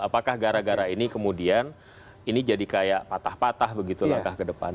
apakah gara gara ini kemudian ini jadi kayak patah patah begitu langkah ke depan